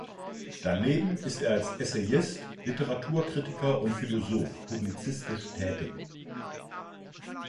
Daneben ist er als Essayist, Literaturkritiker und Philosoph publizistisch tätig.